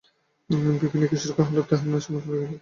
বিপিনকিশোরকে হঠাৎ তাঁহার নেশার মতো লাগিয়া গেল।